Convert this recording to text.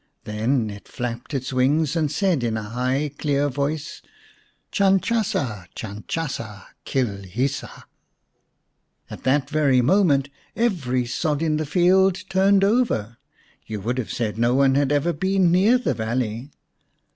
Then it flapped its wings and said in a high clear voice :" Chanchasa ! Chanchasa ! Kilhisa !" At that very moment every sod in the field turned over ; you would have said no one had ever been near the valley.